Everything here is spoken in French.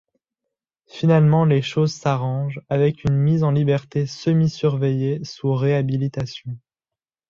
Finalement les choses s’arrangent, avec une mise en liberté semi-surveillée sous réhabilitation.